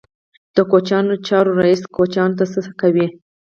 د کوچیانو چارو ریاست کوچیانو ته څه کوي؟